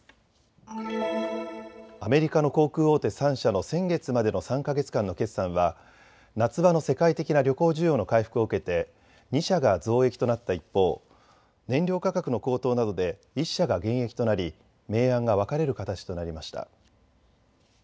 アメリカの航空大手３社の先月までの３か月間の決算は夏場の世界的な旅行需要の回復を受けて２社が増益となった一方、燃料価格の高騰などで１社が減益となり明暗が分かれる形となりました。